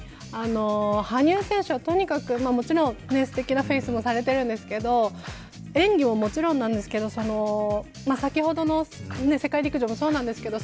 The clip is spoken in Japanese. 羽生選手はもちろんすてきなフェイスもされているんですけれども演技ももちろんなんですけど、先ほどの世界陸上もそうなんですけど、